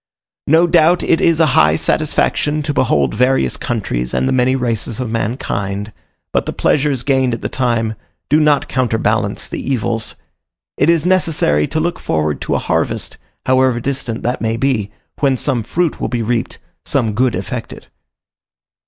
No doubt it is a high satisfaction to behold various countries and the many races of mankind, but the pleasures gained at the time do not counterbalance the evils. It is necessary to look forward to a harvest, however distant that may be, when some fruit will be reaped, some good effected.